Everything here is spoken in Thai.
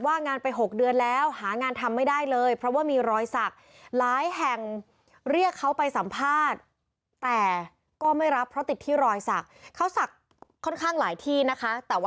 ว่างานไปหกเดือนแล้วหางานทำไม่ได้เลยเพราะว่ามีรอยสัก